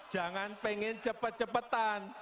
jangan pengen cepet cepetan